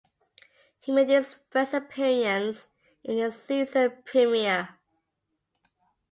He made his first appearance in the season premiere.